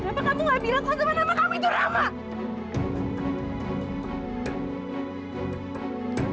kenapa kamu gak bilang sama nama kamu itu rahmat